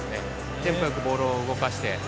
テンポよくボールを動かして。